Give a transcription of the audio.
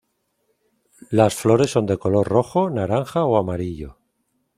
Las flores son de color rojo, naranja o amarillo.